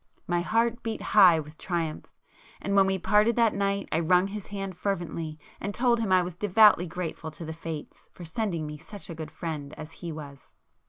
My heart beat high with triumph,—and when we parted that night I wrung his hand fervently and told him I was devoutly grateful to the fates for sending me such a good friend as he was.